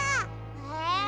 え？